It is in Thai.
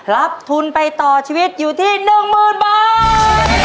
รับทุนไปต่อชีวิตอยู่ที่๑๐๐๐บาท